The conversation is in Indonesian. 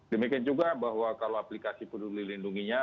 demikian juga bahwa kalau aplikasi peduli lindunginya